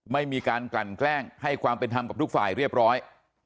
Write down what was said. ไม่มีการกลั่นแกล้งให้ความเป็นธรรมกับทุกฝ่ายเรียบร้อย